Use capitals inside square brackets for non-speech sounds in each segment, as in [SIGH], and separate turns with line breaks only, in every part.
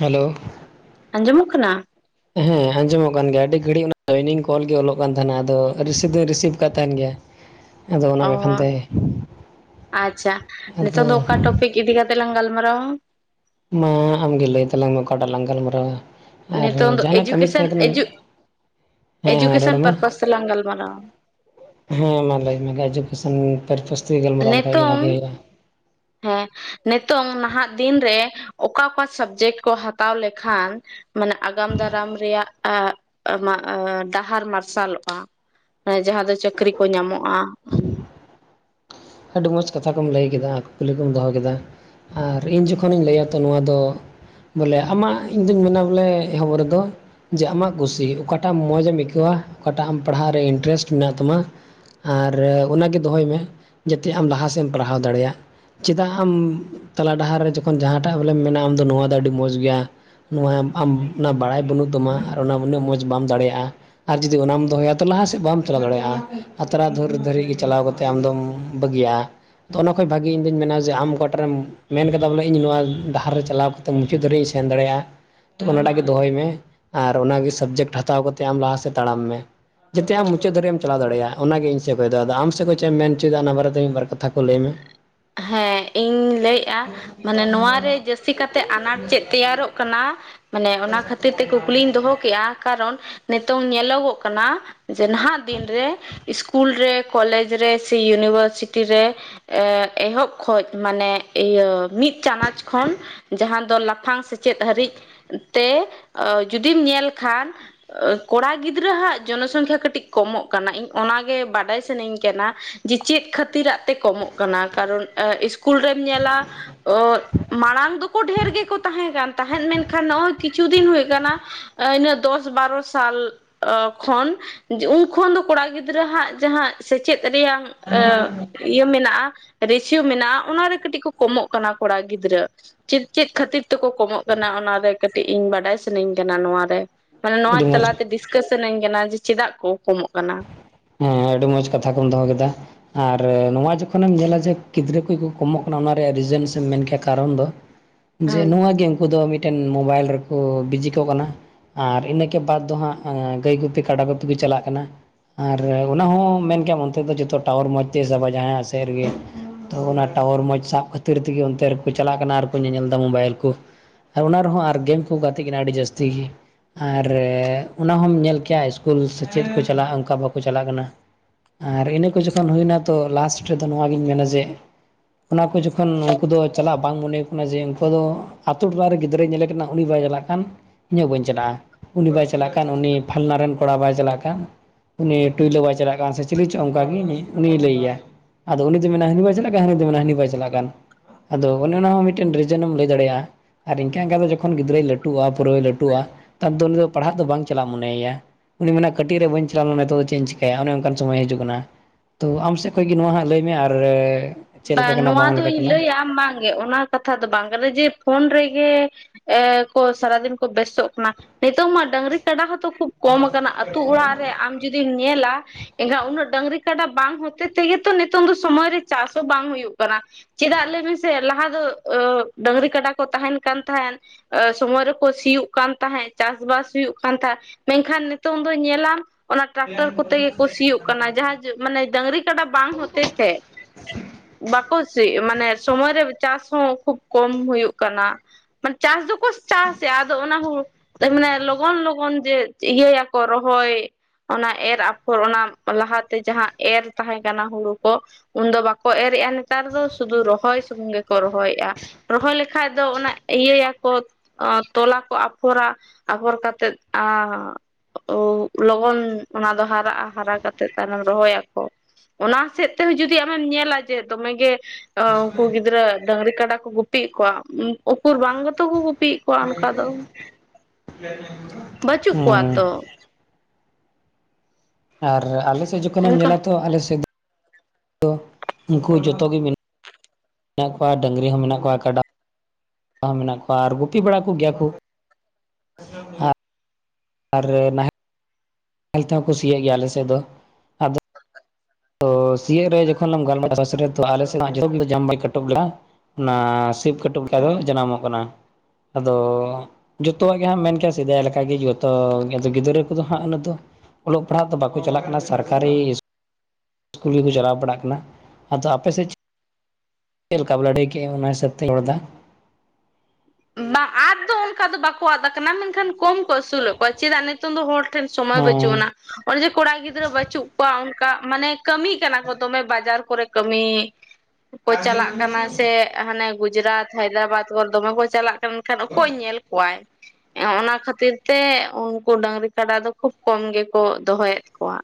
Hello
ᱟᱸᱡᱚᱢᱚᱜ ᱠᱟᱱᱟ
ᱦᱮᱸ ᱟᱸᱡᱚᱢᱚᱜ ᱠᱟᱱ ᱜᱮᱭᱟ ᱟᱹᱰᱤ ᱜᱷᱟᱹᱲᱤᱡ ᱡᱚᱭᱮᱱᱤᱝ ᱠᱚᱞ ᱜᱮ ᱚᱞᱚᱜ ᱠᱟᱱ ᱛᱟᱦᱮᱸᱱᱟ ᱟᱫᱚ ᱨᱤᱥᱤᱵᱷ ᱫᱩᱧ ᱨᱤᱥᱤᱵᱷ ᱟᱠᱟᱜ ᱛᱟᱦᱮᱸᱱ ᱜᱮᱭᱟ ᱟᱫᱚ ᱚᱱᱟ
ᱚ
ᱵᱟᱠᱷᱟᱱ ᱛᱮ ᱟᱡᱮ
ᱪᱮᱫ ᱤᱫᱤ ᱠᱟᱛᱮᱜ ᱞᱟᱝ ᱜᱟᱞ ᱢᱟᱨᱟᱣᱟ
ᱢᱟ ᱟᱢᱜᱮ ᱞᱟᱹᱭ ᱛᱟᱞᱟᱝ ᱢᱮ ᱚᱠᱟᱴᱟᱜ ᱞᱟᱝ ᱜᱟᱞᱢᱟᱨᱟᱣᱟ ᱟᱨᱮ
ᱱᱤᱛᱚᱝ ᱫᱚ
ᱡᱟᱦᱟᱱᱟᱜ ᱠᱟᱹᱢᱤ
ᱮᱡᱩᱠᱮᱥᱚᱱ
ᱛᱟᱦᱮᱸ ᱠᱟᱱᱟ
ᱮᱡᱩ
ᱦᱮᱸ ᱦᱮᱸ ᱨᱚᱲ
ᱮᱡᱩᱠᱮᱥᱚᱱ
ᱢᱮ
ᱯᱚᱨᱯᱟᱥ ᱛᱮ ᱞᱟᱜᱟᱝ ᱜᱟᱞᱢᱟᱨᱟᱣᱟ
ᱦᱮᱸ ᱢᱟ ᱞᱟᱹᱭ ᱢᱮ ᱮᱡᱩᱠᱮᱥᱚᱱ ᱯᱟᱨᱯᱟᱥ ᱛᱮ ᱜᱟᱞᱢᱟᱨᱟᱣ ᱞᱮᱠᱷᱟᱡ ᱜᱮ ᱵᱷᱟᱜᱮ
ᱱᱤᱛᱳᱝ
ᱦᱩᱭᱩᱜᱼᱟ
ᱦᱮᱸ ᱱᱤᱛᱚᱝ ᱱᱟᱦᱟᱜ ᱫᱤᱱ ᱨᱮ ᱚᱠᱟ ᱚᱠᱟ ᱥᱟᱵᱡᱮᱠᱴ ᱠᱚ ᱦᱟᱛᱟᱣ ᱞᱮᱠᱷᱟᱱ ᱢᱟᱱᱮ ᱟᱜᱟᱢ ᱫᱟᱨᱟᱢ ᱨᱮᱭᱟᱜ ᱰᱟᱦᱟᱨ ᱢᱟᱨᱥᱟᱞᱚᱜᱼᱟ ᱡᱟᱦᱟᱸ ᱫᱚ ᱪᱟᱹᱠᱨᱤ ᱠᱚ ᱧᱟᱢᱚᱜᱼᱟ
ᱟᱹᱰᱤ ᱢᱚᱸᱡᱽ ᱠᱟᱛᱷᱟ ᱠᱚᱢ ᱞᱟᱹᱭ ᱠᱮᱫᱟ ᱠᱩᱠᱞᱤ ᱠᱚᱢ ᱫᱚᱦᱚ ᱠᱮᱫᱟ ᱟᱨ ᱤᱧ ᱡᱚᱠᱷᱚᱱᱤᱧ ᱞᱟᱹᱭᱟ ᱛᱚ ᱱᱚᱣᱟ ᱫᱚ ᱵᱚᱞᱮ ᱟᱢᱟᱜ ᱤᱧᱫᱩᱧ ᱢᱮᱱᱟ ᱵᱚᱞᱮ ᱮᱦᱚᱵ ᱨᱮᱫᱚ ᱡᱮ ᱟᱢᱟᱜ ᱠᱩᱥᱤ ᱚᱠᱟᱴᱟᱜ ᱢᱚᱸᱡᱽ ᱮᱢ ᱟᱹᱭᱠᱟᱹᱣᱟ ᱚᱠᱟᱴᱟᱜ ᱟᱢ ᱯᱟᱲᱦᱟᱜ ᱨᱮ ᱤᱱᱴᱟᱨᱮᱥᱴ ᱢᱮᱱᱟᱜ ᱛᱟᱢᱟ ᱟᱨ ᱚᱱᱟᱜᱮ ᱫᱚᱦᱚᱭ ᱢᱮ ᱡᱟᱛᱮ ᱟᱢ ᱞᱟᱦᱟ ᱥᱮᱫ ᱮᱢ ᱯᱟᱲᱦᱟᱣ ᱫᱟᱲᱮᱭᱟᱜ ᱪᱮᱫᱟᱜ ᱟᱢ ᱛᱟᱞᱟ ᱰᱟᱦᱟᱨ ᱨᱮ ᱡᱚᱠᱷᱚᱱ ᱡᱟᱦᱟᱸᱴᱟᱜ ᱵᱚᱞᱮᱢ ᱢᱮᱱᱟ ᱟᱢ ᱫᱚ ᱱᱚᱣᱟ ᱫᱚ ᱟᱹᱰᱤ ᱢᱚᱸᱡᱽ ᱜᱮᱭᱟ ᱱᱚᱣᱟ ᱟᱢ ᱚᱱᱟ ᱵᱟᱲᱟᱭ ᱵᱟᱹᱱᱩᱜ ᱛᱟᱢᱟ ᱟᱨ ᱚᱱᱟ ᱩᱱᱟᱹᱜ ᱢᱚᱸᱡᱽ ᱵᱟᱢ ᱫᱟᱲᱮᱭᱟᱜᱼᱟ ᱟᱨ ᱡᱩᱫᱤ ᱚᱱᱟᱢ ᱫᱚᱦᱚᱭᱟ ᱛᱚ ᱞᱟᱦᱟ ᱥᱮᱫ ᱵᱟᱢ ᱪᱟᱞᱟᱣ ᱫᱟᱲᱮᱭᱟᱜᱼᱟ ᱟᱛᱨᱟ ᱫᱷᱩᱨ ᱫᱷᱟᱹᱨᱤᱡ ᱜᱮ ᱪᱟᱞᱟᱣ ᱠᱟᱛᱮᱫ ᱟᱢ ᱫᱚᱢ ᱵᱟᱹᱜᱤᱭᱼᱟᱫᱚ ᱚᱱᱟ ᱠᱷᱚᱡ ᱵᱷᱟᱜᱤ ᱤᱧ ᱫᱩᱧ ᱢᱮᱱᱟ ᱡᱮ ᱟᱢ ᱚᱠᱟᱴᱟᱜ ᱮᱢ ᱢᱮᱱ ᱠᱟᱫᱟ ᱵᱚᱞᱮ ᱤᱧ ᱱᱚᱣᱟ ᱰᱟᱦᱟᱨ ᱨᱮ ᱪᱟᱞᱟᱣ ᱠᱟᱛᱮᱜ ᱢᱩᱪᱟᱹᱫ ᱫᱷᱟᱹᱨᱤᱡ ᱤᱧ ᱥᱮᱱ ᱫᱟᱲᱮᱭᱟᱜᱼᱟ ᱛᱚ ᱚᱱᱟᱴᱟᱜ ᱜᱮ ᱫᱚᱦᱚᱭ ᱢᱮ ᱟᱨ ᱚᱱᱟᱜᱮ ᱥᱟᱵᱡᱮᱠᱴ ᱦᱟᱛᱟᱣ ᱠᱟᱛᱮ ᱟᱢ ᱞᱟᱦᱟ ᱥᱮᱱ ᱛᱟᱲᱟᱢ ᱢᱮ ᱡᱟᱛᱮ ᱟᱢ ᱢᱩᱪᱟᱹᱫ ᱫᱷᱟᱹᱨᱤᱡ ᱮᱢ ᱪᱟᱞᱟᱣ ᱫᱟᱲᱮᱭᱟᱜ ᱚᱱᱟᱜᱤ ᱤᱧᱥᱮᱫ ᱠᱷᱚᱱ ᱫᱚ ᱟᱫᱚ ᱟᱢ ᱥᱮᱫ ᱠᱷᱚᱱ ᱪᱮᱫ ᱮᱢ ᱢᱮᱱ ᱦᱚᱪᱚᱭᱟ ᱚᱱᱟᱵᱟᱨ ᱫᱚ ᱢᱤᱫ ᱵᱟᱨ ᱠᱟᱛᱷᱟ ᱠᱚ ᱞᱟᱹᱭᱢᱮ
ᱦᱮᱸ ᱤᱧ ᱞᱟᱹᱭᱮᱜᱼᱟ ᱢᱟᱱᱮ ᱱᱚᱣᱟᱨᱮ ᱡᱟᱹᱥᱛᱤ ᱠᱟᱛᱮᱫ ᱟᱱᱟᱴ ᱪᱮᱫ ᱛᱮᱭᱟᱨᱚᱜ ᱠᱟᱱᱟ ᱢᱟᱱᱮ ᱚᱱᱟ ᱠᱷᱟᱹᱛᱤᱨ ᱛᱮ ᱠᱩᱠᱞᱤᱧ ᱫᱚᱦᱚ ᱠᱮᱫᱼᱟ ᱠᱟᱨᱚᱱ ᱱᱤᱛᱚᱝ ᱧᱮᱞᱚᱜᱚᱜ ᱠᱟᱱᱟ ᱡᱮ ᱱᱟᱦᱟᱜ ᱫᱤᱱᱨᱮ ᱤᱥᱠᱩᱞ ᱨᱮ ᱠᱚᱞᱮᱡᱽ ᱨᱮ ᱥᱮ ᱤᱭᱩᱱᱤᱵᱷᱟᱨᱥᱤᱴᱤ ᱨᱮ ᱮᱜ ᱮᱦᱚᱵ ᱠᱷᱚᱡ ᱢᱟᱱᱮ ᱤᱭᱟᱹ ᱢᱤᱫ ᱪᱟᱱᱟᱪ ᱠᱷᱚᱱ ᱡᱟᱦᱟᱸ ᱫᱚ ᱞᱟᱯᱷᱟᱝ ᱥᱮᱪᱮᱫ ᱦᱟᱹᱨᱤᱡ ᱛᱮ ᱡᱩᱫᱤᱢ ᱧᱮᱞ ᱠᱷᱟᱱ, ᱠᱚᱲᱟ ᱜᱤᱫᱽᱨᱟᱹᱣᱟᱜ ᱡᱚᱱᱚᱥᱚᱝᱠᱷᱟ ᱠᱟᱹᱴᱤᱡ ᱠᱚᱢᱚᱜ ᱠᱟᱱᱟ ᱤᱧ ᱚᱱᱟᱜᱮ ᱵᱟᱰᱟᱭ ᱥᱟᱱᱟᱧ ᱠᱟᱱᱟ? ᱡᱮ ᱪᱮᱫ ᱠᱷᱟᱹᱛᱤᱨᱟᱜ ᱛᱮ ᱠᱚᱢᱚᱜ ᱠᱟᱱᱟ ᱠᱟᱨᱚᱱ, ᱤᱥᱠᱩᱞ ᱨᱮᱢ ᱧᱮᱞᱟ ᱚ ᱢᱟᱲᱟᱝ ᱫᱚᱠᱚ ᱰᱷᱮᱨ ᱜᱮᱠᱚ ᱛᱟᱦᱮᱸ ᱠᱟᱱ ᱛᱟᱦᱮᱸᱫ ᱢᱮᱱᱠᱷᱟᱱ ᱱᱚᱜᱼᱚᱭ ᱠᱤᱪᱷᱩ ᱫᱤᱱ ᱦᱩᱭᱩᱜ ᱠᱟᱱᱟ, ᱤᱱᱟᱹᱜ ᱫᱚᱥ ᱵᱟᱨᱚ ᱥᱟᱞ ᱠᱷᱚᱱ ᱩᱱ ᱠᱷᱚᱱ ᱫᱚ ᱠᱚᱲᱟ ᱜᱤᱫᱽᱨᱟᱹ ᱦᱟᱸᱜ ᱡᱟᱦᱟᱸ ᱥᱮᱪᱮᱫ ᱨᱮᱭᱟᱝ ᱤᱭᱟᱹ ᱢᱮᱱᱟᱜᱼᱟ ᱨᱮᱥᱤᱭᱳ ᱢᱮᱱᱟᱜᱼᱟ ᱚᱱᱟᱨᱮ ᱠᱟᱹᱴᱤᱡ ᱠᱚ ᱠᱚᱢᱚᱜ ᱠᱟᱱᱟ ᱠᱚᱲᱟ ᱜᱤᱫᱽᱨᱟᱹ᱾ ᱪᱮᱫ ᱪᱮᱫ ᱠᱷᱟᱹᱛᱤᱨ ᱛᱮᱠᱚ ᱠᱚᱢᱚᱜ ᱠᱟᱱᱟ ᱚᱱᱟᱨᱮ ᱠᱟᱹᱴᱤᱡ ᱤᱧ ᱵᱟᱰᱟᱭ ᱥᱟᱱᱟᱧ ᱠᱟᱱᱟ ᱱᱚᱣᱟᱨᱮ᱾ ᱢᱟᱱᱮ ᱱᱚᱣᱟ
ᱟᱹᱰᱤ ᱢᱚᱡᱽ
ᱛᱟᱞᱟᱛᱮ ᱰᱤᱥᱠᱟᱥᱚᱱ ᱟᱹᱧ ᱠᱟᱱᱟ ᱡᱮ ᱪᱮᱫᱟᱜ ᱠᱚ ᱠᱚᱢᱚᱜ ᱠᱟᱱᱟ?
ᱦᱮᱸ ᱟᱹᱰᱤ ᱢᱚᱸᱡᱽ ᱠᱟᱛᱷᱟ ᱠᱚᱢ ᱫᱚᱦᱚ ᱠᱮᱫᱟ᱾ ᱟᱨ ᱱᱚᱣᱟ ᱡᱚᱠᱷᱚᱱ ᱮᱢ ᱧᱮᱞᱟ ᱡᱮ ᱜᱤᱫᱽᱨᱟᱹ ᱠᱚ ᱠᱚ ᱠᱚᱢᱚᱜ ᱠᱟᱱᱟ ᱚᱱᱟ ᱨᱮᱭᱟᱜ ᱨᱤᱡᱮᱱᱥ ᱮᱢ ᱢᱮᱱ ᱠᱮᱭᱟ ᱠᱟᱨᱚᱱ ᱫᱚ, ᱡᱮ
ᱦᱮᱸ
ᱱᱚᱣᱟ ᱜᱮ ᱩᱱᱠᱩ ᱫᱚ ᱢᱤᱫᱴᱮᱱ ᱢᱳᱵᱟᱭᱤᱞ ᱨᱮᱠᱚ ᱵᱤᱡᱤ ᱠᱚ ᱠᱟᱱᱟ᱾ ᱟᱨ ᱤᱱᱟᱹᱠᱮ ᱵᱟᱫ ᱫᱚ ᱦᱟᱸᱜ ᱜᱟᱹᱭ ᱜᱩᱯᱤ ᱠᱟᱰᱟ ᱜᱩᱯᱤ ᱠᱚ ᱪᱟᱞᱟᱜ ᱠᱟᱱᱟ᱾ ᱟᱨ ᱚᱱᱟ ᱦᱚᱸ ᱢᱮᱱ ᱠᱮᱭᱟ ᱚᱱᱛᱮ ᱫᱚ ᱡᱚᱛᱚ ᱴᱟᱣᱟᱨ ᱢᱚᱸᱡᱽ ᱛᱮ ᱪᱟᱵᱟ ᱡᱟᱦᱟᱸ ᱥᱮᱫ ᱨᱮᱜᱮ ᱛᱚ ᱚᱱᱟ ᱴᱟᱣᱟᱨ ᱢᱚᱸᱡᱽ ᱥᱟᱵ ᱠᱷᱟᱹᱛᱤᱨ ᱛᱮᱜᱮ ᱚᱱᱛᱮ ᱨᱮᱠᱚ ᱪᱟᱞᱟᱜ ᱠᱟᱱᱟ ᱟᱨᱠᱚ ᱧᱮᱧᱮᱞᱫᱟ ᱢᱳᱵᱟᱭᱤᱞ ᱠᱚ᱾ ᱟᱨ ᱚᱱᱟ ᱨᱮᱦᱚᱸ ᱟᱨ ᱜᱮᱢ ᱠᱚ ᱜᱟᱛᱮᱜ ᱠᱟᱱᱟ ᱟᱹᱰᱤ ᱡᱟᱹᱥᱛᱤ ᱜᱤ᱾ ᱟᱨ ᱚᱱᱟ ᱦᱚᱸᱚᱢ ᱧᱮᱞ ᱠᱮᱭᱟ ᱤᱥᱠᱩᱞ ᱥᱮᱪᱮᱫ ᱠᱚ ᱪᱟᱞᱟᱜᱼᱟ ᱚᱱᱠᱟ ᱵᱟᱠᱚ ᱪᱟᱞᱟᱜ ᱠᱟᱱᱟ᱾ ᱟᱨ ᱤᱱᱟᱹ ᱠᱚ ᱡᱚᱠᱷᱚᱱ ᱦᱩᱭᱱᱟ ᱛᱚ ᱞᱟᱥᱴ ᱨᱮᱫᱚ ᱱᱚᱣᱟᱜᱤᱧ ᱢᱮᱱᱟ ᱡᱮ ᱚᱱᱟ ᱠᱚ ᱡᱚᱠᱷᱚᱱ ᱩᱱᱠᱩ ᱫᱚ ᱪᱟᱞᱟᱜ ᱵᱟᱝ ᱢᱚᱱᱮ ᱚᱱᱮᱡᱮ ᱩᱱᱠᱩ ᱫᱚ ᱟᱛᱳ ᱴᱚᱞᱟᱨᱮ ᱜᱤᱫᱽᱨᱟᱹᱭ ᱧᱮᱞᱮ ᱠᱟᱱᱟ ᱩᱱᱤ ᱵᱟᱭ ᱪᱟᱞᱟᱜ ᱠᱟᱱ ᱤᱧᱟᱹᱜ ᱵᱟᱹᱧ ᱪᱟᱞᱟᱜᱼᱟ, ᱩᱱᱤ ᱵᱟᱭ ᱪᱟᱞᱟᱜ ᱠᱟᱱ ᱩᱱᱤ ᱯᱷᱟᱞᱱᱟ ᱨᱮᱱ ᱠᱚᱲᱟ ᱵᱟᱭ ᱪᱟᱞᱟᱜ ᱠᱟᱱ, ᱩᱱᱤ ᱴᱩᱭᱞᱳ ᱵᱟᱭ ᱪᱟᱞᱟᱜ ᱠᱟᱱ ᱥᱮ ᱪᱤᱞᱤ ᱪᱚᱜᱼᱟ ᱚᱱᱠᱟᱜᱮ ᱩᱱᱤᱭ ᱞᱟᱹᱭ ᱮᱭᱟ᱾ ᱟᱫᱚ ᱩᱱᱤ ᱫᱚ ᱢᱮᱱᱟ ᱦᱟᱱᱤ ᱵᱟᱭ ᱪᱟᱞᱟᱜ ᱠᱟᱱ ᱦᱟᱹᱱᱤ ᱩᱱᱤ ᱫᱚ ᱢᱮᱱᱟ ᱦᱟᱱᱤ ᱵᱟᱭ ᱪᱟᱞᱟᱜ ᱠᱟᱱ᱾ ᱟᱫᱚ ᱚᱱᱮ ᱚᱱᱟ ᱦᱚᱸ ᱢᱤᱫᱴᱮᱱ ᱨᱤᱡᱮᱱ ᱮᱢ ᱞᱟᱹᱭ ᱫᱟᱲᱮᱭᱟᱜᱼᱟ᱾ ᱟᱨ ᱤᱱᱠᱷᱟᱱ ᱜᱮ ᱡᱚᱠᱷᱚᱱ ᱜᱤᱫᱽᱨᱟᱹᱭ ᱞᱟᱹᱴᱩᱜᱼᱟ, ᱯᱩᱨᱟᱹᱣ ᱞᱟᱹᱴᱩᱜᱼᱟ ᱛᱟᱦᱞᱮ ᱫᱚ ᱩᱱᱤ ᱫᱚ ᱯᱟᱲᱦᱟᱜ ᱫᱚ ᱵᱟᱝ ᱪᱟᱞᱟᱜ ᱢᱚᱱᱮᱭᱟ᱾ ᱩᱱᱤ ᱢᱮᱱᱟ ᱠᱟᱹᱴᱤᱡ ᱨᱮ ᱵᱟᱧ ᱪᱟ ᱱᱤᱛᱚᱜ ᱫᱚ ᱪᱮᱫ ᱤᱧ ᱪᱤᱠᱟᱭᱟ ᱚᱱᱮ ᱚᱱᱠᱟᱱ ᱥᱚᱢᱚᱭ ᱦᱤᱡᱩᱜ ᱠᱟᱱᱟ ᱛᱚ ᱟᱢ ᱥᱮᱫ ᱠᱷᱚᱱ ᱜᱮ ᱱᱚᱣᱟ ᱦᱟᱸᱜ ᱞᱟᱹᱭᱢᱮ ᱟᱨ ᱪᱮᱫ ᱞᱮᱠᱟ
ᱵᱟᱝ
ᱠᱟᱱᱟ
ᱱᱚᱣᱟ
ᱞᱮᱠᱟ
ᱫᱚᱧ
ᱠᱟᱱᱟ
ᱞᱟᱹᱭᱟ ᱵᱟᱝᱜᱮ ᱚᱱᱟ ᱠᱟᱛᱷᱟ ᱫᱚ ᱵᱟᱝ ᱠᱟᱱᱟ ᱡᱮ ᱯᱷᱳᱱ ᱨᱮᱜᱮ ᱮ ᱠᱚ ᱥᱟᱨᱟᱫᱤᱱ ᱠᱚ ᱵᱮᱥᱚᱜ ᱠᱟᱱᱟ ᱱᱤᱛᱳᱜ ᱢᱟ ᱰᱟᱹᱝᱨᱤ ᱠᱟᱰᱟ ᱦᱚᱸᱛᱚ ᱠᱷᱩᱵ ᱠᱚᱢ ᱟᱠᱟᱱᱟ ᱟᱹᱛᱩ ᱚᱲᱟᱜ ᱨᱮ ᱟᱢ ᱡᱩᱫᱤᱢ ᱧᱮᱞᱟ ᱮᱱᱠᱷᱟᱱ ᱩᱱᱟᱹᱜ ᱰᱟᱹᱝᱨᱤ ᱠᱟᱰᱟ ᱵᱟᱝ ᱦᱚᱛᱮ ᱛᱮᱜᱮ ᱛᱚ ᱱᱤᱛᱚᱝ ᱫᱚ ᱥᱚᱢᱚᱭ ᱨᱮ ᱪᱟᱥ ᱵᱟᱝ ᱦᱩᱭᱩᱜ ᱠᱟᱱᱟ ᱪᱮᱫᱟᱜ ᱞᱟᱹᱭ ᱢᱮᱥᱮ ᱞᱟᱦᱟ ᱫᱚ ᱰᱟᱹᱝᱨᱤ ᱠᱟᱰᱟ ᱠᱚ ᱛᱟᱦᱮᱱ ᱠᱟᱱ ᱛᱟᱦᱮᱸᱱ ᱥᱚᱢᱚᱭ ᱨᱮᱠᱚ ᱥᱤᱭᱳᱜ ᱠᱟᱱ ᱛᱟᱦᱮᱸᱫ ᱪᱟᱥ ᱵᱟᱥ ᱦᱩᱭᱩᱜ ᱠᱟᱱ ᱛᱟᱦᱮᱸᱫ᱾ ᱢᱮᱱᱠᱷᱟᱱ ᱱᱤᱛᱚᱝ ᱫᱚ ᱧᱮᱞᱟᱢ ᱚᱱᱟ ᱴᱨᱟᱠᱴᱟᱨ ᱠᱚᱛᱮ ᱜᱮᱠᱚ ᱥᱤᱭᱚᱜ ᱠᱟᱱᱟ ᱡᱟᱦᱟᱸ ᱢᱟᱱᱮ ᱰᱟᱝᱨᱤ ᱠᱟᱰᱟ ᱵᱟᱝ ᱦᱚᱛᱮ ᱛᱮ, ᱵᱟᱠᱚ ᱢᱟᱱᱮ ᱥᱚᱢᱚᱭᱨᱮ ᱪᱟᱥ ᱦᱚᱸ ᱠᱷᱩᱵ ᱠᱚᱢ ᱦᱩᱭᱩᱜ ᱠᱟᱱᱟ᱾ ᱢᱟᱱᱮ ᱪᱟᱥ ᱫᱚᱠᱚ ᱪᱟᱥᱮᱫ ᱟᱫᱚ ᱚᱱᱟ ᱦᱩᱲᱩ ᱛᱟᱨ ᱢᱟᱱᱮ ᱞᱚᱜᱚᱱ ᱞᱚᱜᱚᱱ ᱡᱮ ᱤᱭᱟᱹ ᱟᱠᱚ ᱨᱚᱦᱚᱭ ᱚᱱᱟ ᱮᱨ ᱟᱯᱷᱚᱨ ᱚᱱᱟ ᱞᱟᱦᱟᱛᱮ ᱡᱟᱦᱟᱸ ᱮᱨ ᱛᱟᱦᱮᱸ ᱠᱟᱱᱟ ᱦᱩᱲᱩ ᱠᱚ ᱩᱱᱫᱚ ᱵᱟᱠᱚ ᱠᱚ ᱮᱨᱮᱫᱼᱟ ᱱᱮᱛᱟᱨ ᱫᱚ ᱥᱩᱫᱷᱩ ᱨᱚᱦᱚᱭ ᱥᱩᱢᱩᱝ ᱜᱮ ᱠᱚ ᱨᱚᱦᱚᱭ ᱮᱜᱼᱟ᱾ ᱨᱚᱦᱚᱭ ᱞᱮᱠᱷᱟᱡ ᱫᱚ ᱚᱱᱟ ᱤᱭᱟᱹᱭᱟ ᱠᱚ, ᱛᱚᱞᱟ ᱠᱚ ᱟᱯᱷᱚᱨᱟ, ᱟᱯᱷᱚᱨ ᱠᱟᱛᱮᱜ ᱟ ᱞᱚᱜᱚᱱ ᱚᱱᱟ ᱫᱚ ᱦᱟᱨᱟᱜᱼᱟ ᱦᱟᱨᱟ ᱠᱟᱛᱮᱫ ᱛᱟᱭᱱᱚᱢ ᱨᱚᱦᱚᱭ ᱟᱠᱚ᱾ ᱚᱱᱟ ᱥᱮᱫ ᱛᱮᱦᱚᱸ ᱡᱩᱫᱤ ᱟᱢᱮᱢ ᱧᱮᱞᱟ ᱡᱮ ᱫᱚᱢᱮᱜᱮ ᱩᱱᱠᱩ ᱜᱤᱫᱽᱨᱟᱹ ᱰᱟᱹᱝᱨᱤ ᱠᱟᱰᱟ ᱠᱚ ᱜᱩᱯᱤᱭᱮᱫ ᱠᱚᱣᱟ ᱩᱠᱩᱨ ᱵᱟᱝ ᱜᱮᱛᱚ ᱠᱚ ᱜᱩᱯᱤᱭᱮᱫ ᱠᱚᱣᱟ ᱚᱱᱠᱟ ᱫᱚ᱾ ᱵᱟᱪᱩᱜ ᱠᱚᱣᱟ
ᱦᱩᱸ
ᱛᱚ᱾
ᱟᱨ ᱟᱞᱮᱥᱮᱫ ᱡᱚᱠᱷᱚᱱ ᱮᱢ
ᱚᱱᱠᱟ
ᱧᱮᱞᱟ ᱛᱚ ᱟᱞᱮᱥᱮᱫ ᱫᱚ ᱩᱱᱠᱩ ᱡᱚᱛᱚ ᱜᱮ ᱢᱮᱱᱟᱜ ᱢᱮᱱᱟᱜ ᱠᱚᱣᱟ ᱰᱟᱹᱝᱨᱤ ᱦᱚᱸ ᱢᱮᱱᱟᱜ ᱠᱚᱣᱟ ᱠᱟᱰᱟ ᱠᱟ ᱦᱚᱸ ᱢᱮᱱᱟᱜ ᱠᱚᱣᱟ ᱟᱨ ᱜᱩᱯᱤ ᱵᱟᱲᱟ ᱠᱚᱜᱮᱭᱟ ᱠᱚ ᱟᱨ ᱟᱨ ᱱᱟᱦᱮᱞ ᱱᱟᱦᱮᱞ ᱛᱮᱦᱚᱸ ᱠᱩ ᱥᱤᱭᱮᱜ ᱜᱮᱭᱟ ᱟᱞᱮ ᱥᱮ ᱫᱚ ᱛᱚ ᱥᱤᱭᱳ ᱨᱮ ᱡᱚᱠᱷᱚᱱ ᱮᱢ ᱜᱟᱞᱢᱟᱨᱟ ᱪᱟᱥ ᱟᱞᱮᱥᱮᱫ ᱢᱟ ᱡᱚᱛ ᱡᱟᱢ ᱵᱟᱭ ᱠᱟᱴᱚᱵ ᱞᱮᱠᱟ ᱚᱱᱟ ᱥᱤᱵ ᱠᱟᱹᱴᱩᱵ ᱞᱮᱠᱟ ᱫᱚ ᱡᱟᱱᱟᱢᱚᱜ ᱠᱟᱱᱟ ᱟᱫᱚ ᱡᱚᱛᱚᱣᱟᱜ ᱜᱮ ᱦᱟᱸᱜ ᱢᱮᱱ ᱠᱮᱭᱟ ᱥᱮᱫᱟᱭ ᱞᱮᱠᱟᱜᱮ ᱡᱚᱛᱚ ᱜᱤᱫᱽᱨᱟᱹ ᱠᱚᱫᱚ ᱦᱟᱸᱜ ᱚᱱᱟᱜ ᱫᱚ ᱚᱞᱚᱜ ᱯᱟᱲᱦᱟᱜ ᱫᱚ ᱵᱟᱠᱚ ᱪᱟᱞᱟᱜ ᱠᱟᱱᱟ ᱥᱟᱨᱠᱟᱨᱤ ᱤᱥᱠᱩᱞ ᱜᱮᱠᱚ ᱪᱟᱞᱟᱣ ᱵᱟᱲᱟᱜ ᱠᱟᱱᱟ ᱟᱫᱚ ᱟᱯᱮ ᱥᱮᱫ ᱪᱮᱫ ᱞᱮᱠᱟ ᱵᱚᱞᱮ ᱦᱤᱥᱟ. ᱵ ᱛᱤᱧ ᱨᱚᱲ ᱫᱟ
ᱵᱟᱝ ᱟᱫ ᱫᱚ ᱚᱱᱠᱟ ᱫᱚ ᱵᱟᱠᱚ ᱟᱫ ᱟᱠᱟᱱᱟ ᱢᱮᱱᱠᱷᱟᱱ ᱠᱚᱢ ᱟᱥᱩᱞ ᱠᱚ ᱪᱮᱫᱟᱜ ᱱᱤᱛᱩᱝ ᱫᱚ ᱦᱚᱲ ᱴᱷᱮᱱ ᱥᱚᱢᱚᱭ
ᱦᱮᱸ
ᱵᱟᱪᱩᱜ ᱟᱱᱟ ᱚᱱᱮ ᱡᱮ ᱠᱚᱲᱟ ᱜᱤᱫᱽᱨᱟᱹ ᱵᱟᱹᱪᱩᱜ ᱠᱚᱣᱟ ᱚᱱᱠᱟ ᱢᱟᱱᱮ ᱠᱟᱹᱢᱤ ᱠᱟᱱᱟ ᱠᱚ ᱫᱚᱢᱮ ᱵᱟᱡᱟᱨ ᱠᱚᱨᱮ ᱠᱟᱹᱢᱤ ᱠᱚ ᱪᱟᱞᱟᱜ ᱠᱟᱱᱟ ᱥᱮ ᱦᱟᱱᱮ ᱜᱩᱡᱽᱨᱟᱴ ᱦᱟᱭᱫᱨᱟᱵᱟᱫᱽ ᱫᱚᱢᱮ ᱠᱚ ᱪᱟᱞᱟᱜ ᱠᱟᱱᱠᱷᱟᱱ ᱚᱠᱚᱭ ᱧᱮᱞ ᱠᱚᱣᱟᱭ ᱚᱱᱟ ᱠᱷᱟᱹᱛᱤᱨ ᱛᱮ ᱩᱱᱠᱩ ᱰᱟᱹᱝᱨᱤ ᱠᱟᱰᱟ ᱫᱚ ᱠᱷᱩᱵ ᱠᱚᱢ ᱜᱮᱠᱚ ᱫᱚᱦᱚᱭᱮᱫ ᱠᱚᱣᱟ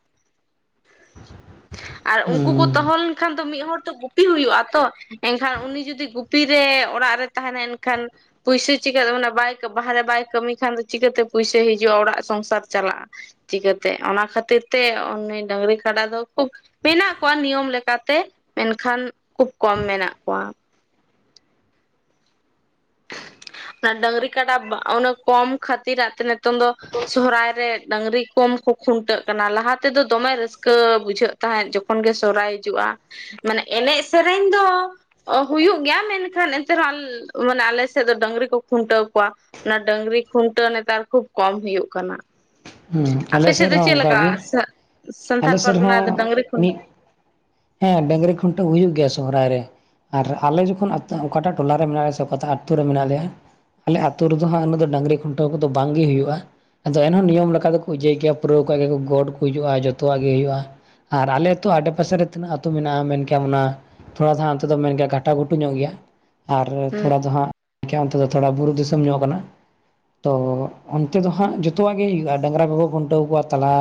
ᱟᱨ ᱩᱱᱠᱩ ᱠᱚ
ᱦᱩᱸ
ᱫᱚᱦᱚ ᱞᱮᱱᱠᱷᱟᱱ ᱫᱚ ᱢᱤᱫ ᱦᱚᱲ ᱛᱚ ᱜᱩᱯᱤ ᱦᱩᱭᱩᱜ-ᱟ ᱛᱚ ᱮᱱᱠᱷᱟᱱ ᱩᱱᱤ ᱡᱩᱫᱤ ᱜᱩᱯᱤ ᱨᱮ ᱚᱲᱟᱜ ᱨᱮ ᱛᱟᱦᱮᱱᱟ ᱮᱱᱠᱷᱟᱱ ᱯᱩᱭᱥᱟᱹ ᱪᱤᱠᱟᱹᱛᱮ ᱢᱟᱱᱮ ᱵᱟᱭ ᱵᱟᱦᱨᱮ ᱵᱟᱭ ᱠᱟᱹᱢᱤ ᱠᱷᱟᱱ ᱫᱚ ᱪᱤᱠᱟᱹᱛᱮ ᱯᱩᱭᱥᱟᱹ ᱦᱤᱡᱩᱜ-ᱟ ᱚᱲᱟᱜ ᱥᱚᱝᱥᱟᱨ ᱪᱟᱞᱟᱜ-ᱟ ᱪᱤᱠᱟᱹᱛᱮ ᱚᱱᱟ ᱠᱷᱟᱹᱛᱤᱨ ᱛᱮ ᱩᱱᱤ ᱰᱟᱝᱨᱤ ᱠᱟᱰᱟ ᱫᱚ ᱠᱷᱩᱵ ᱢᱮᱱᱟᱜ ᱠᱚᱣᱟ ᱱᱤᱭᱚᱢ ᱞᱮᱠᱟᱛᱮ ᱢᱮᱱᱠᱷᱟᱱ ᱠᱷᱩᱵ ᱠᱚᱢ ᱢᱮᱱᱟᱜ ᱠᱚᱣᱟ ᱚᱱᱟ ᱰᱟᱹᱝᱨᱤ ᱠᱟᱴᱟ ᱚᱱᱟ ᱠᱚᱢ ᱠᱷᱟᱹᱛᱤᱨᱟᱜ ᱛᱮ ᱱᱤᱛᱚᱝ ᱫᱚ ᱥᱚᱦᱨᱟᱭ ᱨᱮ ᱰᱟᱹᱝᱨᱤ ᱠᱚᱢ ᱠᱚ ᱠᱷᱩᱱᱴᱟᱹᱜ ᱠᱟᱱᱟ ᱞᱟᱦᱟ ᱛᱮᱫᱚ ᱫᱚᱢᱮ ᱨᱟᱹᱥᱠᱟᱹ ᱵᱩᱡᱷᱟᱹᱜ ᱛᱟᱦᱮᱸᱫ ᱡᱚᱠᱷᱚᱱ ᱜᱮ ᱥᱚᱦᱨᱟᱭ ᱦᱤᱡᱩᱜ-ᱟ ᱢᱟᱱᱮ ᱮᱱᱮᱡ ᱥᱮᱨᱮᱧ ᱫᱚ ᱚ ᱦᱩᱭᱩᱜ ᱜᱮᱭᱟ ᱢᱮᱱᱠᱷᱟᱱ ᱮᱱᱛᱮ ᱨᱮᱦᱚᱸ ᱢᱟᱱᱮ ᱟᱞᱮ ᱥᱮᱫ ᱫᱚ ᱰᱟᱹᱝᱨᱤ ᱠᱷᱩᱱᱴᱟᱹᱣ ᱠᱚᱣᱟ ᱚᱱᱟ ᱰᱟᱹᱝᱨᱤ ᱠᱷᱩᱱᱴᱟᱹᱣ ᱱᱮᱛᱟᱨ ᱠᱷᱩᱵ ᱠᱚᱢ ᱦᱩᱭᱩᱜ ᱠᱟᱱᱟ
ᱦᱩᱸ
ᱟᱯᱮ
ᱟᱞᱮ
ᱥᱮᱫ ᱫᱚ
ᱨᱮᱦᱚᱸ
ᱪᱮᱫ ᱞᱮᱠᱟ
ᱚᱱᱠᱟᱜᱮ
ᱥᱟᱱᱛᱟᱲ
ᱟᱞᱮ ᱥᱮᱫ
ᱯᱟᱨᱜᱟᱱᱟ
ᱨᱮᱦᱚᱸ
ᱰᱟᱹᱝᱨᱤ ᱠᱷᱩᱱ
ᱢᱤᱫ ᱦᱮᱸ ᱰᱟᱝᱨᱤ ᱠᱷᱩᱱᱴᱟᱹᱣ ᱦᱩᱭᱩᱜ ᱜᱮᱭᱟ ᱥᱚᱦᱨᱟᱭ ᱨᱮ ᱟᱨ ᱟᱞᱮ ᱡᱚᱠᱷᱚᱱ ᱚᱠᱟᱴᱟᱜ ᱴᱚᱞᱟ ᱨᱮ ᱢᱮᱱᱟᱜ ᱞᱮᱭᱟ ᱥᱮ ᱚᱠᱟᱴᱟᱜ ᱟᱛᱳ ᱨᱮ ᱢᱮᱱᱟᱜ ᱞᱮᱭᱟ ᱟᱞᱮ ᱟᱹᱛᱩ ᱨᱮᱫᱚ ᱦᱟᱜ ᱫᱚ ᱰᱟᱹᱝᱨᱤ ᱠᱷᱩᱱᱴᱟᱹᱣ ᱠᱚᱫᱚ ᱵᱟᱝᱜᱮ ᱦᱩᱭᱩᱜ-ᱟ ᱟᱫᱚ ᱮᱱᱦᱚᱸ ᱱᱤᱭᱚᱢ ᱚᱱᱠᱟ ᱫᱚᱠᱚ ᱤᱭᱟᱹᱭ ᱜᱮᱭᱟ ᱯᱩᱨᱟᱹᱣᱠᱟᱜ ᱜᱮ ᱜᱚᱰ ᱠᱚ ᱦᱤᱡᱩᱜ-ᱟ ᱡᱚᱛᱚᱣᱟᱜ ᱜᱮ ᱦᱩᱭᱩᱜ-ᱟ ᱟᱨ ᱟᱞᱮ ᱟᱹᱛᱩ ᱟᱰᱮ ᱯᱟᱥᱮ ᱨᱮ ᱛᱤᱱᱟᱹᱜ ᱟᱹᱛᱩ ᱢᱮᱱᱟᱜ-ᱟ ᱢᱮᱱᱠᱟᱷᱟᱱ ᱚᱱᱟ ᱛᱷᱚᱲᱟ ᱫᱚ ᱦᱟᱸᱜ ᱱᱚᱱᱛᱮ ᱫᱚ ᱢᱮᱱ ᱜᱮᱭᱟ ᱜᱷᱟᱴᱟ ᱜᱷᱩᱴᱩ ᱧᱚᱜ ᱜᱮᱭᱟ ᱟᱨ ᱛᱷᱚᱲᱟ ᱫᱚ ᱦᱟᱸᱜ ᱚᱱᱛᱮ ᱫᱚ ᱛᱷᱚᱲᱟ ᱵᱩᱨᱩ ᱫᱤᱥᱚᱢ ᱧᱚᱜ ᱠᱟᱱᱟ ᱛᱚ ᱚᱱᱛᱮ ᱫᱚ ᱦᱟᱸᱜ ᱡᱚᱛᱚᱣᱟᱜ ᱜᱮ ᱦᱩᱭᱩᱜ-ᱟ ᱰᱟᱝᱨᱟ ᱠᱚᱠᱚ ᱠᱷᱩᱱᱴᱟᱹᱣ ᱠᱚᱣᱟ ᱛᱟᱞᱟ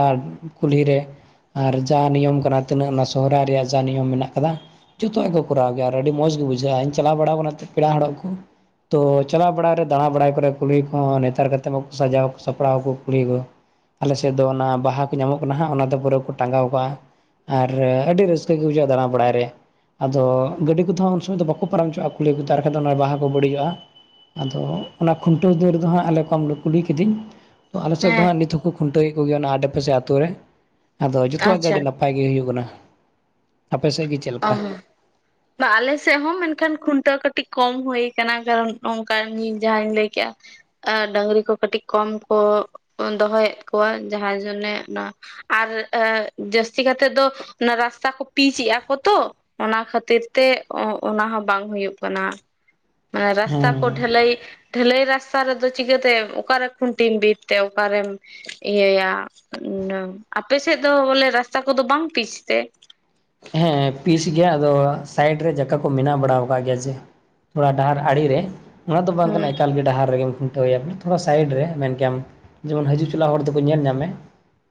ᱠᱩᱞᱦᱤ ᱨᱮ ᱟᱨ ᱡᱟ ᱱᱤᱭᱚᱢ ᱠᱟᱱᱟ ᱛᱤᱱᱟᱹᱜ ᱚᱱᱟ ᱥᱚᱦᱨᱟᱭ ᱨᱮᱭᱟᱜ ᱡᱟ ᱱᱤᱭᱚᱢ ᱢᱮᱱᱟᱜ ᱟᱠᱟᱫᱟ ᱡᱚᱛᱚᱣᱟᱜ ᱜᱮ ᱠᱚᱨᱟᱣ ᱜᱮᱭᱟ ᱟᱨ ᱟᱹᱰᱤ ᱢᱚᱸᱡᱽ ᱜᱮ ᱵᱩᱡᱷᱟᱹᱜ-ᱟ ᱤᱧ ᱪᱟᱞᱟᱣ ᱵᱟᱲᱟᱣ ᱟᱠᱟᱱᱟ ᱯᱮᱲᱟ ᱚᱲᱟᱜ ᱠᱚ ᱛᱚ ᱪᱟᱞᱟᱣ ᱵᱟᱲᱟᱭ ᱨᱮ ᱫᱟᱬᱟ ᱵᱟᱲᱟᱭ ᱠᱚᱨᱮ ᱠᱩᱦᱞᱤ ᱠᱚᱦᱚᱸ ᱱᱮᱛᱟᱨ ᱠᱟᱛᱮ ᱢᱟᱠᱚ ᱥᱟᱡᱟᱣ ᱠᱚ ᱥᱟᱯᱲᱟᱣ ᱠᱩᱦᱞᱤ ᱠᱚ ᱟᱞᱮ ᱥᱮᱫ ᱫᱚ ᱚᱱᱟ ᱵᱟᱦᱟ ᱠᱚ ᱧᱟᱢᱚᱜ ᱠᱟᱱᱟ ᱦᱟᱸᱜ ᱚᱱᱟ ᱫᱚ ᱯᱩᱨᱟᱹ ᱠᱚ ᱴᱟᱸᱜᱟᱣ ᱠᱟᱜ-ᱟ ᱟᱨ ᱟᱹᱰᱤ ᱨᱟᱹᱥᱠᱟᱹ ᱜᱮ ᱵᱩᱡᱷᱟᱹᱜ-ᱟ ᱫᱟᱬᱟ ᱵᱟᱲᱟ ᱨᱮ ᱟᱫᱚ ᱜᱟᱹᱰᱤ ᱠᱚᱛᱮ ᱦᱚᱸ ᱩᱱ ᱥᱚᱢᱚᱭ ᱫᱚ ᱵᱟᱠᱚ ᱯᱟᱨᱚᱢ ᱦᱚᱪᱣᱟᱜ-ᱟ ᱠᱩᱦᱞᱤ ᱠᱚ ᱟᱨ ᱠᱷᱟᱱ ᱫᱚ ᱵᱟᱦᱟ ᱠᱚ ᱵᱟᱹᱲᱤᱡᱚᱜ-ᱟ ᱟᱫᱚ ᱚᱱᱟ ᱠᱷᱩᱱᱴᱟᱹᱣ ᱫᱚᱹᱨ ᱨᱮᱫᱚ ᱦᱟᱸᱜ ᱟᱞᱮ ᱠᱚᱢ ᱠᱩᱦᱞᱤ ᱠᱤᱫᱤᱜ ᱛᱚ ᱟᱞᱮ ᱥᱮᱫ ᱫᱚ
ᱦᱮᱸ
ᱦᱟᱸᱜ ᱱᱤᱛᱚᱜ ᱦᱚᱸᱠᱚ ᱠᱷᱩᱱᱴᱟᱹᱣᱮᱫ ᱠᱚᱜ ᱜᱮᱭᱟ ᱚᱱᱟ ᱟᱰᱮᱯᱟᱥᱮ ᱟᱛᱳ ᱨᱮ ᱟᱫᱚ ᱡᱚᱛᱚᱣᱟᱜ
ᱟᱪᱪᱷᱟ
ᱜᱟᱹᱰᱤ ᱱᱟᱯᱟᱭ ᱱᱟᱯᱟᱭ ᱜᱮ ᱦᱩᱭᱩᱜ ᱠᱟᱱᱟ ᱟᱯᱮ ᱥᱮᱫ ᱜᱮ ᱪᱮᱫ ᱞᱮᱠᱟ
ᱚᱸᱻ ᱵᱟ ᱟᱞᱮ ᱥᱮᱫ ᱦᱚᱸ ᱢᱮᱱᱠᱷᱟᱱ ᱠᱷᱩᱱᱴᱟᱹᱣ ᱠᱟᱹᱴᱤᱡ ᱠᱚᱢ ᱦᱩᱭ ᱠᱟᱱᱟ ᱠᱟᱨᱚᱱ ᱱᱚᱝᱠᱟ ᱤᱧ ᱡᱟᱦᱟᱧ ᱞᱟᱹᱭ ᱠᱮᱜ-ᱟ ᱰᱟᱹᱝᱨᱤ ᱠᱚ ᱠᱟᱹᱴᱤᱡ ᱠᱚᱢ ᱠᱚ ᱫᱚᱦᱚᱭᱮᱫ ᱠᱚᱣᱟ ᱡᱟᱦᱟᱸ ᱡᱚᱱᱱᱮ ᱚᱱᱟ ᱟᱨ ᱡᱟᱹᱥᱛᱤ ᱠᱟᱛᱮ ᱫᱚ ᱚᱱᱟ ᱨᱟᱥᱛᱟ ᱠᱚ ᱯᱤᱪ ᱮᱜ-ᱟ ᱠᱚ ᱛᱚ ᱚᱱᱟ ᱠᱷᱟᱹᱛᱤᱨ ᱛᱮ ᱚᱱᱟ ᱦᱚᱸ ᱵᱟᱝ ᱦᱩᱭᱩᱜ ᱠᱟᱱᱟ ᱢᱟᱱᱮ
ᱦᱮᱸ
ᱨᱟᱥᱛᱟ ᱠᱚ ᱰᱷᱟᱹᱞᱟᱹᱭ ᱰᱷᱟᱹᱞᱟᱹᱭ ᱨᱟᱥᱛᱟ ᱨᱮᱫᱚ ᱪᱤᱠᱟᱹᱛᱮ ᱚᱠᱟᱨᱮ ᱠᱷᱩᱱᱴᱤᱢ ᱵᱤᱫ ᱛᱮ ᱚᱠᱟᱨᱮᱢ ᱮᱭᱟᱹ ᱟᱯᱮᱥᱮᱫ ᱫᱚ ᱵᱚᱞᱮ ᱨᱟᱥᱛᱟ ᱠᱚᱫᱚ ᱵᱟᱝ ᱯᱤᱪ ᱛᱮ
ᱦᱮᱸ ᱯᱤᱪ ᱜᱮᱭᱟ ᱟᱫᱚ ᱥᱟᱭᱤᱰ ᱨᱮ ᱡᱟᱭᱜᱟ ᱠᱚ ᱢᱮᱱᱟᱜ ᱵᱟᱲᱟ ᱟᱠᱟᱫ ᱜᱮᱭᱟ ᱡᱮ ᱛᱷᱚᱲᱟ ᱰᱟᱦᱟᱨ ᱟᱲᱮ ᱨᱮ ᱱᱚᱣᱟ ᱫᱚ ᱵᱟᱝ ᱠᱟᱱᱟ
ᱦᱩᱸ
ᱮᱠᱟᱞᱜᱮ ᱰᱟᱦᱟᱨ ᱨᱮᱜᱮ ᱛᱷᱚᱲᱟ ᱥᱟᱭᱤᱰ ᱨᱮ ᱢᱮᱱ ᱠᱮᱭᱟᱢ ᱡᱮᱢᱚᱱ ᱦᱤᱡᱩᱜ ᱪᱟᱞᱟᱜ ᱦᱚᱲ ᱫᱚᱠᱚ ᱧᱮᱞ ᱧᱟᱢᱮ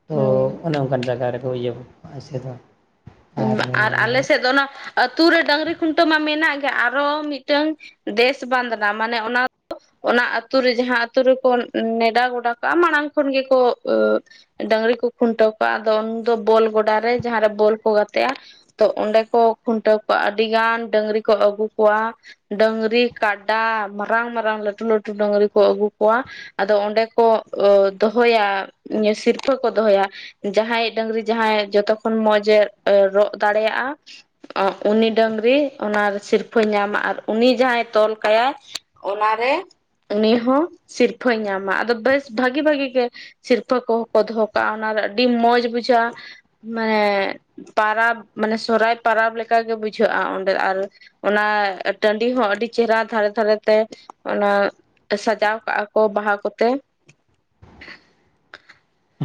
ᱛᱚ
ᱦᱩᱸ
ᱚᱱᱮ ᱚᱱᱠᱟᱱ ᱡᱟᱭᱜᱟ ᱨᱮᱠᱚ ᱤᱭᱟᱹ ᱮᱥᱮᱫ ᱫᱟ
ᱟᱨ ᱟᱞᱮ ᱥᱮᱫ ᱫᱚ ᱚᱱᱟ ᱟᱹᱛᱩ ᱨᱮ ᱰᱟᱹᱝᱨᱤ ᱠᱷᱩᱱᱴᱟᱹᱣ ᱢᱟ ᱢᱮᱱᱟᱜ ᱜᱮ ᱟᱨᱚ ᱢᱤᱫᱴᱟᱝ ᱫᱮᱥ ᱵᱟᱸᱫᱱᱟ ᱢᱟᱱᱮ ᱚᱱᱟ ᱚᱱᱟ ᱟᱹᱛᱩ ᱨᱮ ᱡᱟᱦᱟᱸ ᱟᱛᱳ ᱨᱮᱠᱚ ᱱᱮᱰᱟ ᱜᱚᱰᱟ ᱠᱟᱜᱼᱟ ᱢᱟᱲᱟᱝ ᱠᱷᱚᱱ ᱜᱮ ᱠᱚ ᱰᱟᱹᱝᱨᱤ ᱠᱚ ᱠᱷᱩᱱᱴᱟᱹᱣ ᱠᱚᱣᱟ ᱟᱫᱚ ᱩᱱ ᱫᱚ ᱵᱚᱞ ᱜᱚᱰᱟ ᱨᱮ ᱡᱟᱦᱟᱸᱨᱮ ᱵᱚᱞ ᱠᱚ ᱜᱟᱛᱮ ᱛᱚᱭᱟ ᱚᱸᱰᱮ ᱠᱚ ᱠᱷᱩᱱᱴᱟᱹᱣ ᱠᱚᱣᱟ ᱟᱹᱰᱤ ᱜᱟᱱ ᱰᱟᱹᱝᱨᱤ ᱠᱚ ᱟᱹᱜᱩ ᱠᱚᱣᱟ ᱾ ᱰᱟᱹᱝᱨᱤ ᱠᱟᱰᱟ ᱢᱟᱨᱟᱝ ᱢᱟᱨᱟᱝ ᱞᱟᱹᱴᱩ ᱞᱟᱹᱴᱩ ᱰᱟᱹᱝᱨᱤ ᱠᱚ ᱟᱹᱜᱩ ᱠᱚᱣᱟ ᱾ ᱟᱫᱚ ᱚᱸᱰᱮ ᱠᱚ ᱫᱚᱦᱚᱭᱟ ᱥᱤᱨᱯᱟᱹ ᱠᱚ ᱫᱚᱦᱚᱭᱟ ᱾ ᱡᱟᱦᱟᱸᱭ ᱰᱟᱝᱨᱤ ᱡᱟᱦᱟᱸᱭ ᱡᱚᱛᱚᱠᱷᱚᱱ ᱢᱚᱸᱡᱽ ᱮ ᱨᱚᱜ ᱫᱟᱲᱮᱭᱟᱜᱼᱟ ᱾ ᱟᱜ ᱩᱱᱤ ᱰᱟᱝᱨᱤ ᱚᱱᱟ ᱥᱤᱨᱯᱟᱹ ᱧᱟᱢᱟ ᱟᱨ ᱩᱱᱤ ᱡᱟᱦᱟᱸᱭ ᱛᱚᱞ ᱠᱟᱭᱟᱭ ᱚᱱᱟᱨᱮ ᱩᱱᱤ ᱦᱚᱸ ᱥᱤᱨᱯᱟᱹᱭ ᱧᱟᱢᱟ ᱟᱫᱚ ᱵᱮᱥ ᱵᱷᱟᱹᱜᱤ ᱵᱷᱟᱹᱜᱤ ᱜᱮ ᱥᱤᱨᱯᱟᱹ ᱠᱚᱦᱚᱸ ᱠᱚ ᱫᱚᱦᱚ ᱠᱟᱜᱼᱟ ᱚᱱᱟ ᱨᱮ ᱫᱚ ᱟᱹᱰᱤ ᱢᱚᱸᱡᱽ ᱵᱩᱡᱷᱟᱹᱜᱼᱟ ᱢᱮᱜ ᱯᱟᱨᱟᱵᱽ ᱢᱟᱱᱮ ᱥᱨᱚᱦᱟᱭ ᱯᱟᱨᱟᱵᱽ ᱞᱮᱠᱟᱜᱮ ᱵᱩᱡᱷᱟᱹᱜᱼᱟ ᱚᱸᱰᱮ ᱟᱨ ᱚᱱᱟ ᱴᱟᱺᱰᱤ ᱦᱚᱸ ᱟᱹᱰᱤ ᱪᱮᱦᱨᱟ ᱫᱷᱟᱨᱮ ᱫᱷᱟᱨᱮᱛᱮ ᱾ ᱚᱱᱟ ᱥᱟᱡᱟᱣ ᱠᱟᱜᱼᱟ ᱠᱚ ᱵᱟᱦᱟ ᱠᱚᱛᱮ